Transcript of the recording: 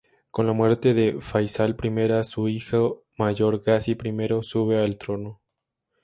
Con la muerte de Faysal I, su hijo mayor, Gazi I sube al trono.